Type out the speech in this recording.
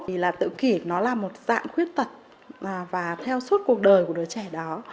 vì là tự kỷ nó là một dạng khuyết tật và theo suốt cuộc đời của đứa trẻ đó